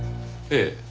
ええ。